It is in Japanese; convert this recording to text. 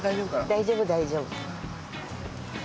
大丈夫大丈夫。